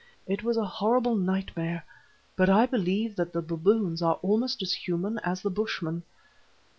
It was a horrible nightmare; but I believe that the baboons are almost as human as the Bushmen.